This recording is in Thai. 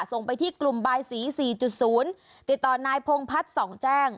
ส่งไปที่กลุ่มบายสี๔๐ติดต่อนายพงพัฒน์๒แจ้ง